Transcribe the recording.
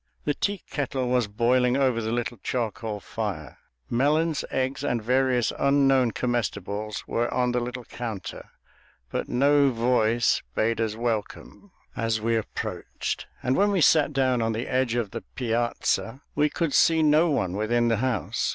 The teakettle was boiling over the little charcoal fire; melons, eggs, and various unknown comestibles were on the little counter; but no voice bade us welcome as we approached, and when we sat down on the edge of the piazza, we could see no one within the house.